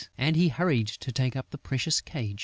And he hurried to take up the precious cage.